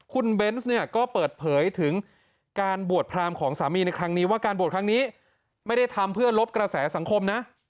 คุณเบนส์เนี่ยก็เปิดเผยถึงการบวชพรามของสามีในครั้งนี้ว่าการบวชครั้งนี้ไม่ได้ทำเพื่อลบกระแสสังคมนะ